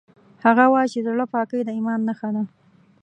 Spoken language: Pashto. هغه وایي چې د زړه پاکۍ د ایمان نښه ده